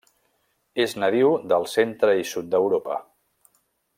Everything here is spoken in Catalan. És nadiu del centre i sud d'Europa.